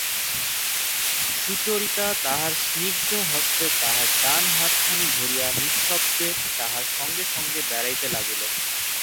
সুচরিতা তাহার স্নিগ্ধ হস্তে তাঁহার ডান হাতখানি ধরিয়া নিঃশব্দে তাঁহার সঙ্গে সঙ্গে বেড়াইতে লাগিল।